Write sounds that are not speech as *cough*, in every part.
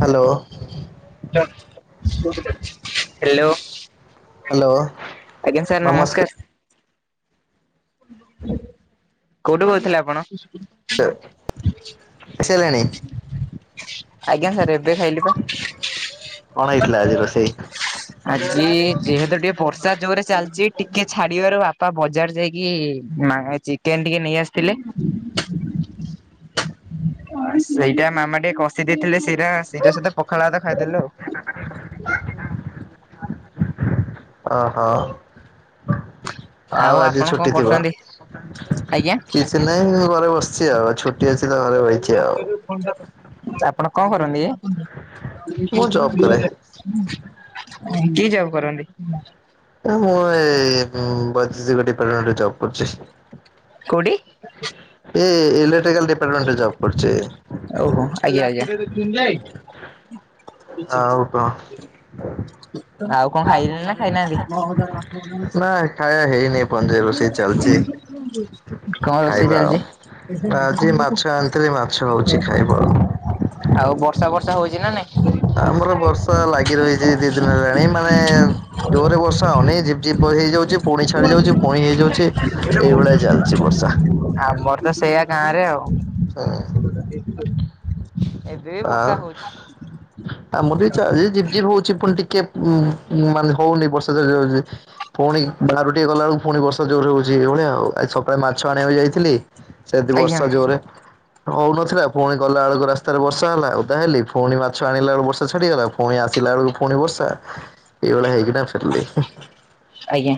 Hello hello hello ଆଜ୍ଞା sir ନମସ୍କାର। କୋଉଠୁ କହୁଥିଲେ ଆପଣ? ଖାଇସାଇଲେଣି? ଆଜ୍ଞା ସାର୍ ଏବେ ଖାଇଲି ପା କଣ ହେଇଥିଲା ଆଜି ରୋଷେଇ? ଆଜି ଯେହେତୁ ଟିକେ ବର୍ଷା ଜୋରରେ ଚାଲିଛି ଟିକେ ଛାଡିବାର ବାପା ବଜାର ଯାଇ ଇଏ ମା ଚିକେନ ଟିକେ ନେଇ ଆସିଥିଲେ। ସେଇଟା ମାମା ଟିକେ କଷି ଦେଇେଇଥିଲେ ସେଇଟା ସେଇଟା ସହିତ ପଖାଳ ଭାତ ଖାଇଦେଲୁ ଆଉ। ଅ ହୋ ଆଉ ଆଜି ଆପଣ କଣ ଛୁଟି ଥିବ କରୁଛନ୍ତି? ଆଜ୍ଞା। କି ଟିନାଇ ମୁ ଘରେ ବସିଛି ଆଉ ଛୁଟି ଅଛି ତ ଘରେ ବଇଚି ଆଉ। ସାର୍ ଆପଣ କଣ କରନ୍ତି ଯେ? ମୁଁ ଜବ୍ କରେ। କିଏ ଯବ୍ କରନ୍ତି? ଆରେ ମୁଁ ଏ ବୈଦ୍ୟେଶିକ ଡିପାର୍ଟମେଣ୍ଟରେ ଜବ୍ କରୁଚି। କୋଉଠି? ଏଇ ଇଲେକ୍ଟ୍ରିକାଲ ଡିପାର୍ଟମେଣ୍ଟରେ ଜବ କରଚି। ଓହୋ ଆଜ୍ଞା ଆଜ୍ଞା ଆଉ କଣ? ହଁ ଆଉ କଣ ଖାଇସାରିଲେଣି ନା ଖାଇନାହାନ୍ତି? ନା ଖାଇବା ହେଇନି ଏପର୍ଯ୍ୟନ୍ତ ରୋଷେଇ ଚାଲିଛି *unintelligible* କଣ ରୋଷେଇ ଖାଇବା ଆଉ। ଚାଲଚି? ଆଜି ମାଛ ଆଣିଥିଲି ମାଛ ହଉଛି ଖାଇବ ଆଉ। ଆଉ ବର୍ଷା ବର୍ଷା ହଉଛି ନା ନାଇଁ? ଆମର ବର୍ଷା ଲାଗି ରହିଛି ଦି ଦିନ ହେଲାଣି ମାନେ ଜୋରରେ ବର୍ଷା ହଉନି ଝିପଝିପ୍ ହେଇଯାଉଛି ପୁଣି ଛାଡି ଯାଉଛି ପୁଣି ହେଇଯାଉଛି ଏଇଭଳିଆ ଚାଲିଛି ବର୍ଷା। ଆମର ତ ସେଇଆା ଗାଁ ରେ ଆଉ। ଏବେ ବି ଆଉ ବର୍ଷା ହଉଛି। ଆମର ବି ଚା ଝିପ ଝିପ୍ ହଉଛି ପୁଣି ଟିକେ ଉ ମାନେ ହଉନି ବର୍ଷା *unintelligible* ପୁଣି ବାହାରକୁ ଟିକେ ଗଲାବେଳକୁ ପୁଣି ବର୍ଷା ଜୋର ହଉଛି ଏ ଭଳିଆ ଆଉ ଆଜି ସକାଳେ ମାଛ ଆଣିବାକୁ ଯାଇଥିଲି ସେଠି ଆଜ୍ଞା ବର୍ଷା ଜୋରରେ ହଉନଥିଲା ପୁଣି ଗଲା ବେଳକୁ ରାସ୍ତାରେ ବର୍ଷା ହେଲା। ଓଦା ହେଲି ପୁଣି ମାଛ ଆଣିଲା ବେଳକୁ ବର୍ଷା ଛାଡିଗଲା ପୁଣି ଆସିଲା ବେଳକୁ ପୁଣି ବର୍ଷା ଏଇଳି ହୋଇକିନା ଫେରିଲି ହୁଁ। ଆଜ୍ଞା।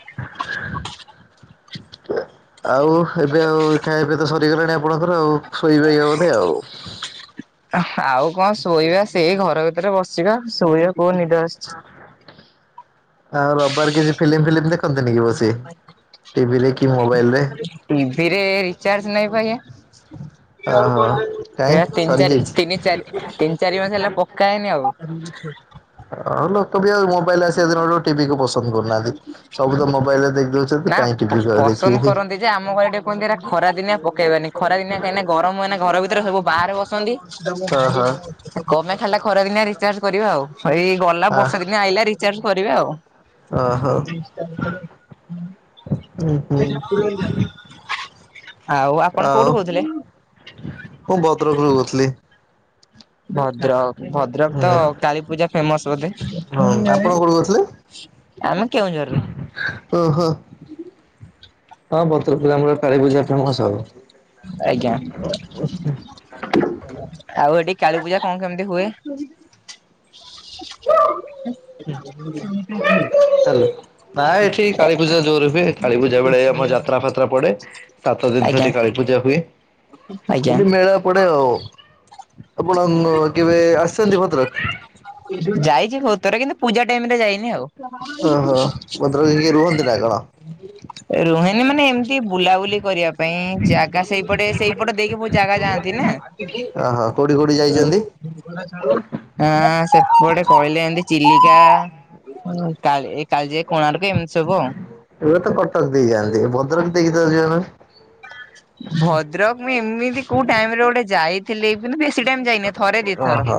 ଆଉ ଏବେ ଆଉ ଖାଇବା ପିଆ ତ ସରିଗଲାଣି ଆପଣଙ୍କର ଆଉ ଶୋଇବେ ଏଇନେ ବୋଧେ ଆଉ। ଆଉ କଣ ଶୋଇବା ସେଇ ଘର ଭିତରେ ବସିବା ଶୋଇବା କୋଉ ନିଦ ଆସ ଆଉ ରବିବାର କିଛି ଫିଲ୍ମ ଫିଲ୍ମ ଦେଖନ୍ତିନି କି ବସି? ଟିଭିରେ କି ମୋବାଇଲରେ ଚାର୍ଜ ନାଇ ପା ଆଜ୍ଞା। ଓହୋ କାଇଁ ହେ ତିନି ଚାରି ସରିଯାଇଛି ତିନି ଚାରି ତିନି ଚାରି ମାସ ହେଲା ପକା ହେଇନି ଆଉ। ହଁ ଲୋକ ବି ଆଉ ମୋବାଇଲ ଆସିବା ଦିନରୁ ଟିଭିକୁ ପସନ୍ଦ କରୁନାହାନ୍ତି। ସବୁ ତ ମୋବାଇଲ ରେ ଦେଖି ଦଉଛନ୍ତି ନା କାହିଁ ଟିଭି ପସନ୍ଦ ଦେଖିବେ? କରନ୍ତି ଯେ ଆମ ଘରେ ଟିକେ କୁହନ୍ତି ଏରା ଖରା ଦିନିଆ ପକେଇବାନି ଖରା ଦିନିଆ କାଁହିନା ଗରମ ହୁଏ ନା ଘର ଭିତରେ ସବୁ ବାହାରେ ବସନ୍ତି ଓହୋ। କଣ ପାଇଁ ଖାଲିଟା ଖରାଦିନିଆ ରିଚାର୍ଜ କରିବା ଆଉ। ଏଇ ଗଲା ଆ ବର୍ଷା ଦିନିଆ ଆଇଲା ରିଚାର୍ଜ କରିବା ଆଉ। ଓହୋ ଉଁ ହୁଁ *unintelligible* ଆଉ ଆପଣ ଆଉ କୋଉଠୁ କହୁଥିଲେ? ମୁଁ ଭଦ୍ରକରୁ କହୁଥିଲି। ଭଦ୍ରକ ଭଦ୍ରକ ହୁଁ ତ କାଳୀ ପୂଜା ଫେମସ ବୋଧେ? ହୁଁ ଆପଣ କୋଉଠୁ କହୁଥିଲେ ଆମେ କେଉଁଝରରୁ। ଓହୋ ହଁ ଭଦ୍ରକରେ ଆମର କାଳୀପୂଜା ଫେମସ ଆଉ। ଆଜ୍ଞା। ଆଉ ଏଠି କାଳୀ ପୂଜା କଣ କେମିତି ହୁଏ? ହାଲୋ ପ୍ରାୟ ଏଠି କାଳୀପୂଜା ଜୋର ହୁଏ। କାଳୀପୂଜା ବେଳେ ଆମର ଯାତ୍ରା ଫାତ୍ରା ପଡେ ସାତ ଦିନ ଆଜ୍ଞା ଧରି କାଳୀ ପୂଜା ହୁଏ। ଆଜ୍ଞା ଏଠି ମେଳ ଏପଟେ ଆଉ ଆପଣ କେବେ ଆସିଛନ୍ତି ଭଦ୍ରକ? ଯାଇଛି ବହୁତ ଥର କିନ୍ତୁ ପୂଜା ଟାଇମ ରେ ଯାଇନି ଆଉ ଓ ହଁ ମତ ଭଦ୍ରକ ହେରୀକା ରୁହନ୍ତି ନା କଣ? ରୁହେନି ମାନେ ଏମିତି ବୁଲାବୁଲି କରିବା ପାଇଁ ଜାଗା ସେଇପଟେ ସେଇପଟେ ଦେଇକି ବହୁ ଜାଗା ଯାଆନ୍ତି ନା। ଓହୋ କୋଉଠିକି କୋଉଠିକି ଯାଇଛନ୍ତି? ହଁ ସେପଟେ କହିଲେ ଏମତି ଚିଲିକା ହୁଁ କାଳ ଏଇ କାଳିଜାଇ କୋଣାର୍କ ଏମିତି ସବୁ ଆଉ ଏବେ ତ କଟକ ଦେଇଯାଆନ୍ତି ଭଦ୍ରକ ଦେଇକି ତ ଯାନ୍ତି ନି? ଭଦ୍ରକ ମୁଁ ଏମିତି କୋଉ ଟାଇମ ରେ ଗୋଟେ ଯାଇ ଥିଲେ ବି ବେଶୀ ଟାଇମ ଯାଇନି ଥରେ ଦିଥର ଓହୋ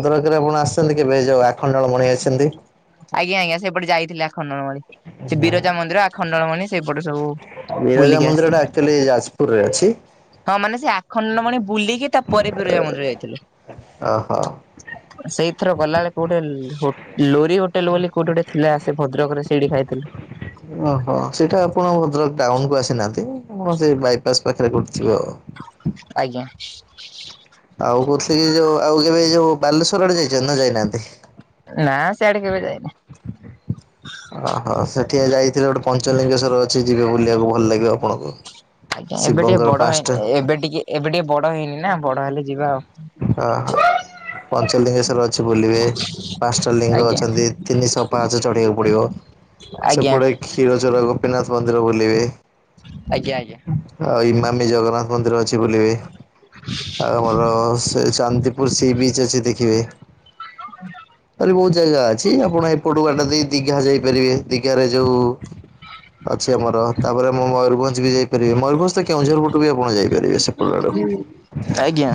ଭଦ୍ରକରେ ଆପଣ ଆସିଛନ୍ତି କେବେ ଯୋଉ ଆଖଣ୍ଡଳ ମଣି ଅଛନ୍ତି? ଆଜ୍ଞା, ଆଜ୍ଞା ସେଇପଟେ ଯାଇଥିଲି ଆଖଣ୍ଡଳମଣି। ସେ ବିରଜା ମନ୍ଦିର ଆଖଣ୍ଡଳମଣି ସେଇପଟେ ସବୁ ବିରଜା ବୁଲିକି ମନ୍ଦିର ଟା ଆସିଥିଲି। ଆକ୍ଚୁଆଲି ଯାଜପୁରରେ ଅଛି। ହଁ ମାନେ ସେ ଆଖଣ୍ଡଳମଣି ବୁଲିକି ତାପରେ ବିରଜା ମନ୍ଦିର ଯାଇଥିଲୁ। ଓହୋ। ସେଇଥର ଗଲାବେଳେ କୋଉଠେ଼ ଲ୍ ହୋଟ ଲୋରି ହୋଟେଲ ବୋଲି କୋଉଠି ଗୋଟେ ଥିଲା। ସେ ଭଦ୍ରକରେ ସେଇଠି ଖାଇଥିଲୁ। ଓହୋ ସେଇଟା ଆପଣ ଭଦ୍ରକ ଟାଉନ କୁ ଆସିନାହାନ୍ତି। ଆପଣ ସେଇ ବାଇପାସ ପାଖରେ କୋଉଠି ଥିବ ଆଉ। ଆଜ୍ଞା। ଆଉ କହୁଥିଲି କି, ଯୋଉ ଆଉ କେବେ ଯୋଉ ବାଲେଶ୍ଵର ଆଡେ ଯାଇଛନ୍ତି ନା ଯାଇନାହାନ୍ତି? ନାଁ ସେ ଆଡ଼େ କେବେ ଯାଇନି। ଓହୋ ସେଠିଆ ଯାଇଥିଲେ ଗୋଟେ ପଞ୍ଚଲିଙ୍ଗେଶ୍ଵର ଅଛି ଯିବେ ବୁଲିବାକୁ ଭଲ ଲାଗିବ ଆପଣଙ୍କୁ। ଆଜ୍ଞା ଏବେ ଟିକେ ଶିବଙ୍କର ବଡ ପାଞ୍ଚଟା ହେଇନି। ଏବେ ଟିକେ ଏବେ ଟିକେ ବଡ ହେଇନି ନା ବଡ ହେଲେ ଯିବା ଆଉ। ପଞ୍ଚଲିଙ୍ଗେଶର ଅଛି ବୁଲିବେ ପାଞ୍ଚଟା ଲିଙ୍ଗ ଆଜ୍ଞା ଅଛନ୍ତି। ତିନି ଶହ ପାହାଚ ଚଢିବାକୁ ପଡିବ। ଆଜ୍ଞା। ଗୋଟେ କ୍ଷୀରଚୋର ଗୋପୀନାଥ ମନ୍ଦିର ବୁଲିବେ। ଆଜ୍ଞା ଆଜ୍ଞା। ଆଉ ଇମାମି ଜଗନ୍ନାଥ୍ ମନ୍ଦିର ଅଛି ବୁଲିବେ। ଆର ଭଲ ସେ ଚାନ୍ଦିପୁର୍ ସି ବିଚ୍ ଅଛି ଦେ ଦଖିବେ ଆଉରେ ବୋହୁତ ଜାଗା ଅଛି ଆପଣ ଏପଟୁ ବାଟା ଦେଇ ଦିଘା ଯାଇପାରିବେ। ଦିଘାରେ ଯୋଉ ଅଛି ଆମର, ତାପରେ ମୁଁ ମୟୂରଭଞ୍ଜ୍ ବି ଯାଇ ପାରିବେ ମୟରଞଜ ତ କେଁଝରପଟୁକୁ ଆପଣ ଯାଇପାରିବେ ସେପଟଆଡୁ। ଆଜ୍ଞା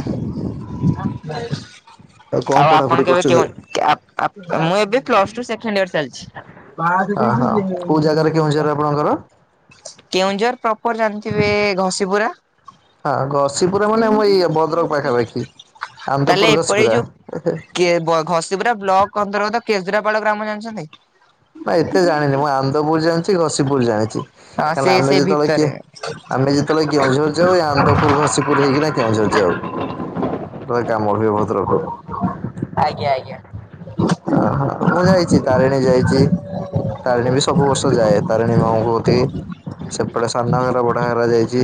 କଣ ଆଉ ପଢାପଢି ଆପଣ କେବେ କେଉଁ କରୁଛନ୍ତି? କନ୍ୟା ଆ ମୁଁ ଏବେ ପ୍ଲସ୍ ଟୁ ସେଖେଣ୍ଡ୍ ଇୟର୍ ଚାଲି ବାଦ୍ ବି ହଁ ହଁ କୋଉ ଜାଗାରେ କେଉଁଝର ଆପଣଙ୍କର? କେଉଁଝର୍ ପ୍ରପର୍ ଜାଣିଥିବେ ଘଷିପୁରା? ହଁ, ଘଶିପୁରରେ ମାନେ ଆମ ଏଇ ଭଦ୍ରକ୍ ପାଖାପାଖି। ଆନ୍ଦପୁର ତାହେଲେ ଏପରି ଏଇ ଘସିପୁରା ଯୋଉ କେ ଘସିିପୁରା ବ୍ଲକ୍ ଅନ୍ତର୍ଗତ କେସ୍ଦୁରାପାଳ ଗ୍ରାମ ଜାଣିଛନ୍ତି? ନା ଏତେ ଜାଣିନିମୁଁ ଆନ୍ଦପୁର୍ ଜାଣିଚି ଘସିିପୁର୍ ଜାଣିଚି ହଁ କାଇନା ସେ ନା ଆମେ ସେ ଯେତେବେଳେ ଭିତରେ କିଏ ଆମେ ଯେତେବେଳେ କେଉଁଝର ଯାଉ ଏଇ ଆନନ୍ଦପୁର୍, ଘସିପୁର୍ ହେଇକିନା କେଉଁଝର ଯାଉ। ପ୍ରାୟ କାମ ବି ଭଦ୍ରକ ଆଜ୍ଞା ଆଜ୍ଞା। ଅହୋ ମୁଁ ଯାଇଚି ତାରିଣୀ ଯାଇଚି। ତାରିଣୀ ବି ସବୁ ବର୍ଷ ଯାଏ ତାରିଣୀ ମାଆଙ୍କୁ ତେ, ସେପଟେ ସାନଘାଗରା, ବଡ଼ଘାଗରା ଯାଇଚି।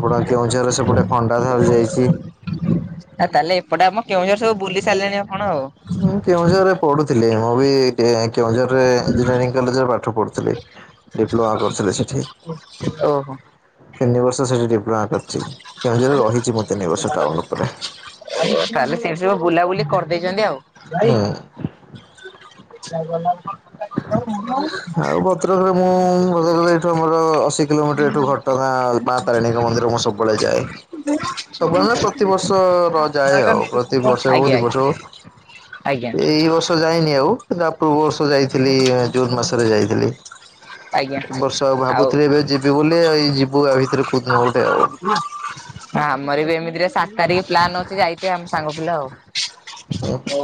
ଆପଣଙ୍କ କେଉଁଝରେ ସେପଟେ ଖଣ୍ଡାଧାର ଯାଇଚି। ଆଉ ତାହେଲେ ଏପଟେ ଆମ କେଉଁଝର ସବୁ ବୁଲି ସାରିଲେଣି ଆପଣ ଆଉ। ମୁଁ କେଉଁଝରରେ ପଢୁଥିଲି। ମୁଁ ବି କେଉଁଝରରେ ଇଞ୍ଜିନିୟରିଂ କଲେଜରେ ପାଠ ପଢୁଥିଲି। ଡିପ୍ଲମା କରୁଥିଲେ ସେଠି, ଓହୋ ତିନିଭବର୍ଷ ସେଠି ଡିପ୍ଲୋମା କରି ଛି କେଉଁଝରରେ ରହିଛି ମୁଁ ତିନିବର୍ଷ ଟାଉନ୍ ଉପରେ। ଦେଇଚନ୍ତି ଆଉ। ହୁଁ। *unintelligible* ତ୍ରରେ ମୁଁ ଭଦକରେ ଏଇଠୁ ଆମର ଅଶୀ କିଲୋମିଟର ଏଠୁ ଘଟଗାଁ, ମା ତାରିଣୀଙ୍କ ମନ୍ଦିର ମୁଁ ସବୁବେଳେ ଯାଏ। ସବୁବେଳେ ନୁ ପ୍ରତିିବର୍ଷ ର ଯାଏ ଆଉ, ପ୍ରତି ବର୍ଷ ହୋଉ ଆଜ୍ଞା ଦି ବର୍ଷ ହୋଉ। ଏଇ ବର୍ଷ ଯାଇନି ଆଉ, ତା ପୂର୍ବ ବର୍ଷ ଥିଲି, ଜୁନ୍ ମାସରେ ଯାଇଥିଲି ଆଜ୍ଞା। ବର୍ଷ ଆଉ ଭାବୁଥିଲି ଏବେ ଯି ବୁଲି ଏଇ ଯିବୁ ଆ ଭିତରେ କୋଉଦିନ ଗୋଟେ ଆଉ। ଆମର ବି ଏମିତିରେ ସାତ୍ ତାରିଖ ପ୍ଲାନ୍ ଅଛି ଯାଇତେ ଆମ ସାଙ୍ଗ ପିଲା ଆଉ। ହୋଉ।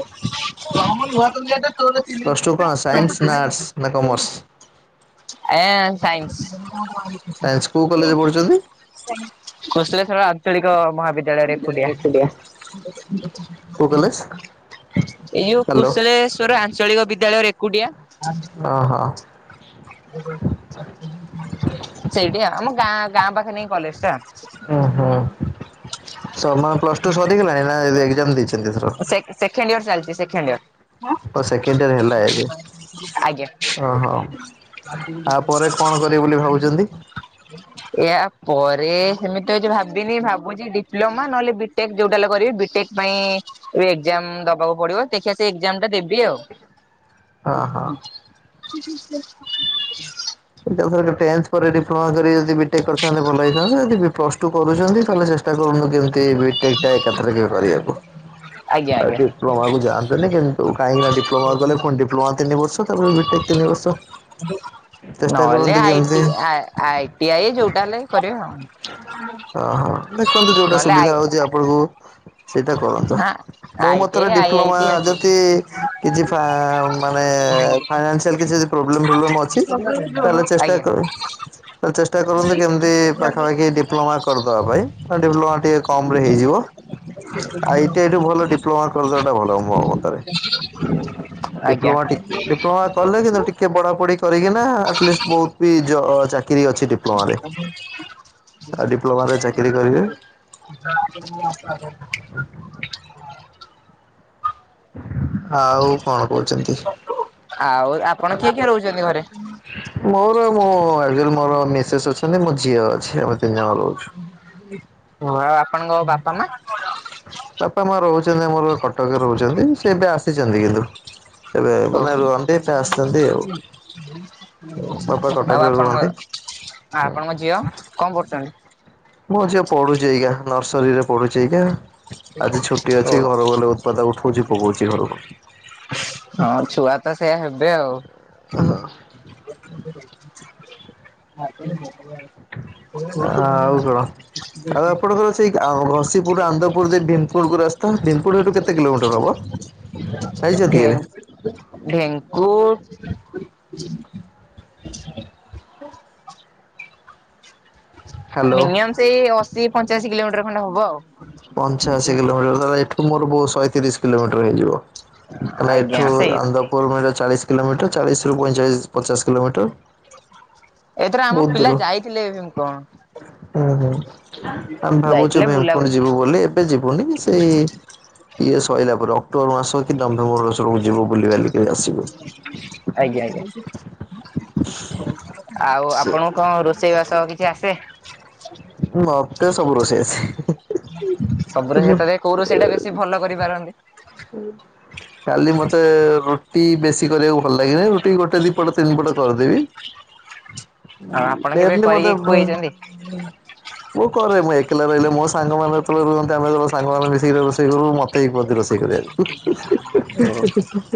ରହ ମୁଁ ନୁଆ ତକିଆଟେ ତୋର ତି ପ୍ଲସ ଟୁ କଣ ସାଇନ୍ସ ନା ଆର୍ଟସ ନା କମର୍ସ? ଏଁ, ସାଇନ୍ସ୍। ସାଇନ୍ସ କୋଉ କଲେଜ ପଢୁଛନ୍ତି କୁଶଳେସ୍ୱଳ ଆଞ୍ଚଳିକ ମହାବି ରା ରେକୁଟିଆ। କୋଉ କଲେଜ ଏଇ ଯୋଉ ହ୍ୟାଲୋ କୁଶଳେଶ୍ଵର ଆଞ୍ଚଳିକ ବିଦ୍ୟାଳୟ ରେକୁଟିଆ। ଓଁ ହୋଁ। ସେଇଠି ଆମ ଗାଁ ଗାଁ ପାଖେ ନେଇ କଲେଜ୍ ଟା। ଉଁ ହୁଁ ସମା ପ୍ଲସ୍ ଟୁ ସରିଗଲାଣି ନା ଏଗ୍ଜାମ୍ ଦେଇଚନ୍ତି ଏଇଥର? ସେଖେଣ୍ଡ୍ ଇଅର୍ ଚାଲ୍ ଚି ସେଖେଣ୍ଡ୍ ଇଅର୍। ଓ ସେକେଣ୍ଡ୍ ଇଅର୍ ହେଲା ଏବେ ଆଜ୍ଞା। ଓହୋ। ଆ ପରେ କଣ କରିବେ ବୋଲି ଭାବୁଚନ୍ତି? ଏହା ପରେ ସେମିତିତ କିଛି ଭାବିନି ଭାବୁଚି ଡିପ୍ଲମା ନହେଲେ ବି ଟେକ୍ ଯୋଉଟାଲେ କରିବି ବିଟେକ୍ ପାଇଁ ଏ ଏଗ୍ଜାମ୍ ଦବାକୁ ପଡିବ ଦେଖିଆ ସେଇ ଏଗ୍ଜାମ୍ ଟା ଦେବି ଆଉ। ହଁ ହଁ। *inaudible* ଟେନ୍‌ଥ୍ ପରେ ଡିପ୍ଲୋମା କରି ଯଦି ବିଟେକ୍ କରିଥାନ୍ତେ, ଭଲ ହେଇଥାନ୍ତା। ଯଦି ବି ପ୍ଲସ୍ଟୁ କରୁଛନ୍ତି ତାହାଲେ ଷ୍ଟା କରନ୍ତୁ, କେମ୍ତି ବିଟେକ୍ ଟା ଏକା ଥରକେ କରିବାକୁ। *inaudible* ଡିପ୍ଲୋମା କୁ ଯାଆନ୍ତୁନି। କିନ୍ତୁ କାହିଁକିନା ଡିପ୍ଲୋମା କୁ ଗଲେ, ପୁଣି ଡିପ୍ଲୋମା ତିନି ବର୍ଷ ତା'ପରେ ବିଟେକ୍ ତିନି ବର୍ଷ। ହ। ଚେଷ୍ଟା ନହଲେ, କରନ୍ତୁ ଆଇଟି କେମିତି ଆଇଟି ଆଇ ଯଉଟା ହେଲେ କରିବା ଆଉ। ଦେଖନ୍ତୁ ଯଉଟା ନହେଲେ ଆଇ ସୁବିଧା ହଉଚି, ଆପଣଙ୍କୁ ସେଇଟା କରନ୍ତୁ। ହଁ ଆଇଟି ମତରେ ଆଇ ଡିପ୍ଲୋମା ଆଇଟି ଅଛି। ଯ କିଛି ମାନେ ଫାଇନାନ୍ସିଆଲ୍‌ କିଛି ପ୍ରୋବ୍ଲେମ୍ ଫ୍ରୋବ୍ଲେମ୍ ଅଛି। ତା'ହେଲେ ଚେଷ୍ଟା, ଆଜ୍ଞା ତା ଚେଷ୍ଟା କରନ୍ତୁ। କେମ୍ତି ପାଖାପାଖି ଡିପ୍ଲୋମା କର୍ଦବା ପାଇଁ। ଡିପ୍ଳୋମା ଟିକେ କମ୍ ରେ ହେଇଯିବ। ଆଇଟି ଆଇଠୁ ଭଲ, ଡିପ୍ଲୋମା କର୍ ଦବାଟା ଭଲ ମୋ ମତରେ। ଆଜ୍ଞା ଡିପ୍ଲୋମାେ ଟି, ଡିପ୍ଲୋମା କଲେ କିନ୍ତୁ ଟିକେ ପଢ଼ାପଢ଼ି କରିକିନା। ଆଟ୍ଲିଷ୍ଟ୍ ବହୁତ୍ ବି କିରି ଅଛି ଡିପ୍ଲୋମାରେ, ଡିପ୍ଲୋମାରେ ଚାକିରି କରିବେ। *inaudible* *inaudible* କହୁଛନ୍ତି ଆଉ, ଆପଣ କିଏ କିଏ ରହୁଚନ୍ତି ଘରେ? ମୋର ମୋ ମୋର ମିସେସ୍ ଅଛନ୍ତି। ମୋ ଝିଅ ଅଛି, ଆମେ ତିନ୍‌ ଜଣ ରହୁଚୁ। *inaudible* ବାପା ହଁ *inaudible* ବାପା-ମା ରହୁଚନ୍ତି। ଆମର କଟକରେ ରହୁଚନ୍ତି, ସେ ଏବେ ଆସିଚନ୍ତି କିନ୍ତୁ। ଏବେ ମାନେ ରୁହନ୍ତି ଏବେ *inaudible* ଆସିଛନ୍ତି ଆଉ ଆପଣଙ୍କ, ବାପା ଆପଣଙ୍କ କଟକରେ ରୁହନ୍ତି ଝିଅ କ'ଣ କରୁଚନ୍ତି? ମୋ ଝିଏ ପଢୁଚି। ଆଜ୍ଞା, ନର୍ସରୀରେ ପଢୁଛି ଆଜ୍ଞା। ଆଜି ଛୁଟି ଓ ଅଛି ଘରକୁ ଗଲେ ଉଠଉଚି ପକଉଚି ଘରକୁ। ହଁ! ଛୁଆ ତ ସେୟା ହେବେ ଆଉ। ଆଉ କଣ। ଆଉ *unintelligible* *inaudible* *inaudible* ଆନ୍ଦପୁର ଦେଇ ଭୀମକୁଣ୍ଡକୁ ରାସ୍ତା ଭୀମକୁଣ୍ଡ ଏଠୁ କେତେ କିଲୋମିଟର ହବ? ହଁ ଯାଇଛନ୍ତି କେବେ *inaudible* *inaudible* ହ୍ୟାଲୋ। ମିନିଅମ୍ ସେଇ, ଅଶି ପଞ୍ଚାଅଶି କିଲୋମିଟର ଖଣ୍ଡେ ହବ ଆଉ। ପଞ୍ଚାଅଶୀ କିଲୋମିଟର, ତା'ହାଲେ ଏଠୁ ମୋର୍ ଶହେ ତିରିଶ କିଲୋମିଟର ହେଇଯିବ। ଆଜ୍ଞା ଏଠୁ ସେଇ ଆନ୍ଦପୁର୍ ଚାଳିଶ୍ କିଲୋମିଟର, ଚାଳିଶ୍ ରୁ ପଇଁ ଚାଳିଶ୍ ପଚାଶ୍ କିଲୋମିଟର। ଏଇଥ ଆମ ପିଲା ଯାଇଥିଲେ। ଉଁହୁଁ, ଆମେ ଯାଇଥିଲେ ଭାବୁଚୁ---ପୁର୍ ବୁଲାବୁଲି ଯିବୁ। ଏବେ ଯିବୁନି, ସେଇ ଇଏ ସଇଲା ପରେ ଅକ୍ଟୋବର ମାସକି ନଭେମ୍ବର ବୁଲି ବାଲିକି ଆସିବୁ। ଆଜ୍ଞା ଆଜ୍ଞା। ଆଉ, ସେ ଆପଣଙ୍କୁ ରୋଷେଇ ବାସ କିଛି ଆସେ? *inaudible* ମତେ ସବୁ ରୋଷେଇ ଆସେ। କଉରୁ, ସେଇଟା ବେଶୀ ଭଲ କରିପାରନ୍ତି। ହୁଁ ଲି, ମତେ ରୁଟି ବେଶୀ କରିବାକୁ ଭଲ ଲାଗେନି, ରୁଟି ଗୋଟେ ଦିପଟ, ତିନ୍‌ ପଟ କରିଦେବି। *inaudible* ଆଉ ଆପଣ କେବେ କରିକି ଖୁଏଇଛନ୍ତି? ମୁଁ କରେ, ମୁଁ ଏକେଲା ରହିଲେ। ମୋ ସାଙ୍ଗମାନେ ଯେତବଳେ ରୁହନ୍ତି, ଆମେ ସାଙ୍ଗମାନେ ମିିଶିକି ରୋଷେଇ କରୁ। *inaudible* *inaudible*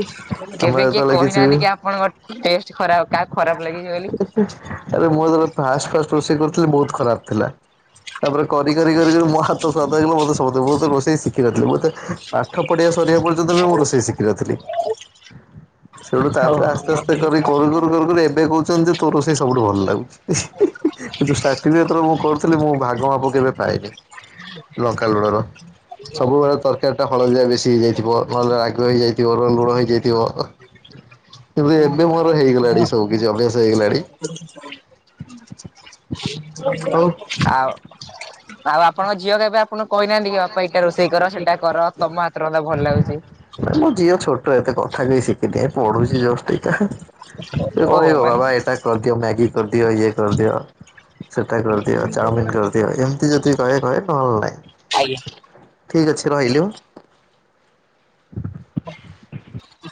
ଆମେ କେବେ କିଏ ଯେତେବେଳେ କିଛି ବି କହିନାହାନ୍ତି କି ଆପଣଙ୍କ ଟେଷ୍ଟ ଖରାପ କାହାକୁ ଖରାପ ଲାଗିଛି ବୋଲି। ଆରେ ମୁଁ ଫାଷ୍ଟେ ଫାଷ୍ଟେ ରୋଷେଇ କରୁଥିଲି ବହୁତ ଖରାପ ଥିଲା ତାପରେ କରି କରି ମୋ ହାତ ସତେଇବ ମତେ *unintelligible* ମୁଁ ତ ରୋଷେଇ ଶିଖିନଥିଲି ମତେ ପାଠ ପଢ଼ିଆ ସରିବା ପର୍ଯ୍ୟନ୍ତ ବି ମୁଁ ରୋଷେଇ ଶି ତି ରାତିରେ ସେଠୁ ତାପରେ ଆସ୍ତେ ଓହୋ ଆସ୍ତେ କରି କରୁ କରୁ କରୁ କରୁ ଏବେ କହୁଚନ୍ତି ତୋ ରୋଷେଇ ସବୁଠୁ ଭଲ ଲାଗୁଚି କିନ୍ତୁ *unintelligible* ଯେତେବେଳେ ମୁଁ କରୁଥିଲି ମୁଁ ଭାଗ ମାପ କେବେ ପାଇନି। *unintelligible* ଲଙ୍କା ଲୁଣର ସବୁବେଳେ ତରକାର ତା ହଳଦିଆ ବେଶୀ ହେଇଯାଇଥିବ ନହେଲେ ରାଗ ହେଇଯାଇଥିବ ନହେଲେ ଲୁଣ ହେଇଯାଇଥିବ। କିନ୍ତୁ ଏବେ ମୋର ହେଇଗଲାଣି ସବୁ କିଛି ଅଭ୍ୟାସ ହେଇଗଲାଣି। ହଉ ଆଉ ଆଉ ଆପଣଙ୍କ ଝିଅ କେବେ ଆପ ଆପଣ କହିନାହାନ୍ତି କି ବାପା ଏଟା ରୋଷେଇ କର ସେଟା କର ତମ ହାତ ରନ୍ଧା ଭଲ ଲାଗୁଚି। ମୋ ଝିଅ ଛୋଟ ଏତେ କଥା କହି ଶିଖି ପଢୁଚି ଯଷ୍ଟ ଏଇ ସେ ଓହୋ କହିବ ମାନେ ବାବା ଏଟା କରିଦିଅ ମ୍ୟାଗି କରିଦିଅ ଇଏ କରିଦିଅ। ସେଟା କରଦିଅ ଚାଉମିିନ କରିଦିଅ ଏମିତି ଯଦି କହେ କହେ ନହେଲେ ନାହିଁ। ଆଜ୍ଞା। ଠିକ୍ ଅଛି ରହିଲି ଅ। ହ